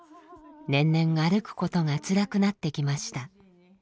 年々歩くことがつらくなってきました。